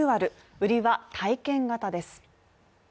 売りは体験型です。